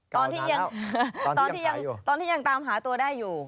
เก่านานแล้วตอนที่ยังตามหาตัวได้อยู่